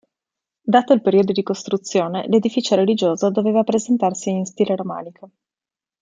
Dato il periodo di costruzione, l'edificio religioso doveva presentarsi in stile romanico.